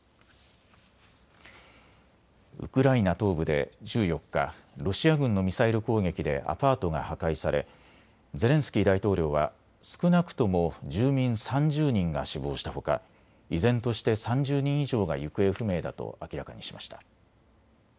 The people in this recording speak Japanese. ウクライナ東部で１４日、ロシア軍のミサイル攻撃でアパートが破壊されゼレンスキー大統領は少なくとも住民３０人が死亡したほか依然として３０人以上が行方不明だと明らかにしました。